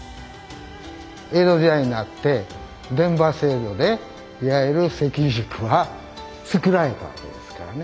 江戸時代になって伝馬制度でいわゆる関宿は作られたわけですからね。